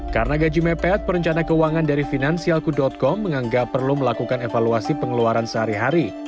karena gaji mepet perencana keuangan dari finansialku com menganggap perlu melakukan evaluasi pengeluaran sehari hari